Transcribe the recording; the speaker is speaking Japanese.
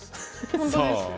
本当ですよ。